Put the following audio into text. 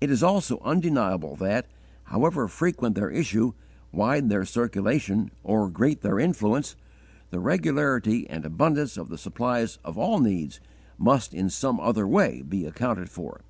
It is also undeniable that, however frequent their issue, wide their circulation, or great their influence, the regularity and abundance of the supplies of all needs must in some other way be accounted for.